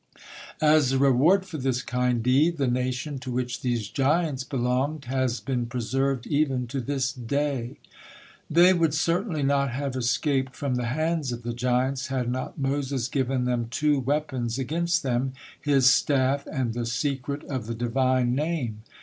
As a reward for this kind deed, the nation to which these giants belonged has been preserved even to this day. They would certainly not have escaped from the hands of the giants, had not Moses given them two weapons against them, his staff and the secret of the Divine Name.